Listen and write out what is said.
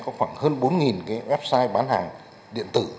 có khoảng hơn bốn website bán hàng điện tử